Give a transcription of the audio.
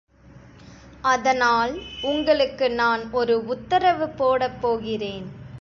அதனால் உங்களுக்கு நான் ஒரு உத்தரவு போடப்போகிறேன்.